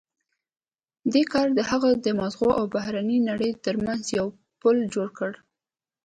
دې کار د هغه د ماغزو او بهرنۍ نړۍ ترمنځ یو پُل جوړ کړ